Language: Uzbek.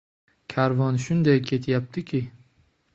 Karvon shunday ketayaptiki